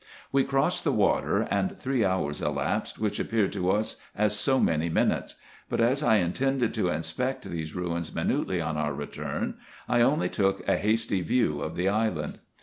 We crossed the water, and three hours elapsed, which appeared to us as so many minutes ; but, as I intended to inspect these ruins minutely on our return, I only took a hasty view of the island.